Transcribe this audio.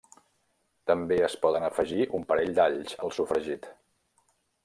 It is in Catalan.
També es poden afegir un parell d'alls al sofregit.